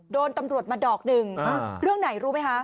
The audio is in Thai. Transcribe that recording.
โดนตำรวจมาดอกหนึ่งเรื่องไหนรู้ไหมคะ